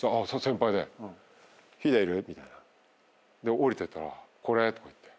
降りてったら「これ」とか言って。